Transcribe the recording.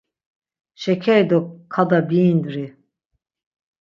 Şekeri do kada biindri.